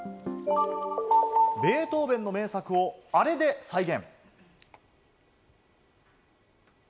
ベートーヴェンの名作をあれで再現。